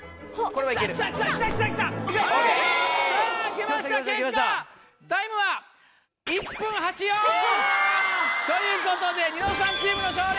きました結果タイムは。ということでニノさんチームの勝利！